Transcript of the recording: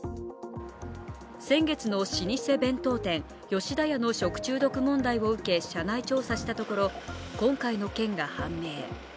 先月の老舗弁当店吉田屋の食中毒問題を受け社内調査したところ、今回の件が判明。